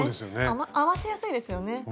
合わせやすいですよね。